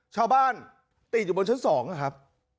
ชาวบ้านติดอยู่บนชั้น๒นะครับ